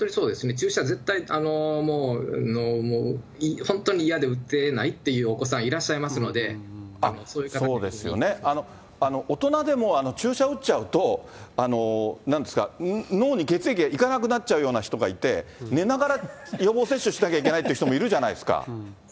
注射、もう、本当に嫌で打ってないっていうお子さんいらっしゃいますので、そういう方にも。大人でも注射打っちゃうと、なんですか、脳に血液が行かなくなっちゃうような人がいて、寝ながら予防接種しなきゃいけないって人もいるじゃないですか。